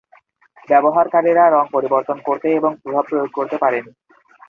ব্যবহারকারীরা রঙ পরিবর্তন করতে এবং প্রভাব প্রয়োগ করতে পারেন।